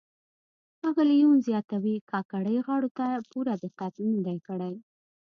ښاغلي یون زیاتو کاکړۍ غاړو ته پوره دقت نه دی کړی.